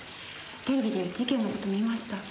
テレビで事件の事見ました。